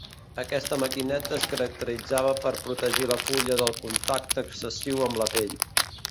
Aquesta maquineta es caracteritzava per protegir la fulla del contacte excessiu amb la pell.